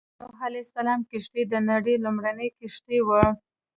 د نوح عليه السلام کښتۍ د نړۍ لومړنۍ کښتۍ وه.